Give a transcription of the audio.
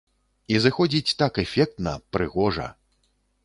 І зыходзіць так эфектна, прыгожа.